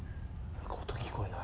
音聞こえない？